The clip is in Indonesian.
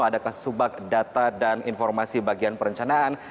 ada kasubag data dan informasi bagian perencanaan